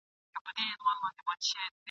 د همدې خرقې په زور پهلوانان وه ..